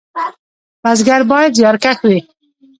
بزګر باید زیارکښ وي